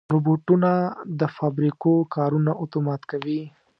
روبوټونه د فابریکو کارونه اتومات کوي.